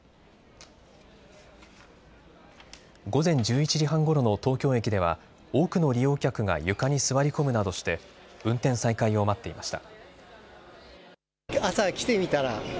午前１１時半ごろの東京駅では多くの利用客が床に座り込むなどして運転再開を待っていました。